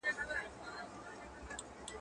صدقه د غریب د ژوند هیله ده.